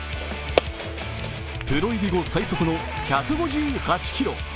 プロ入り後、最速の１５８キロ。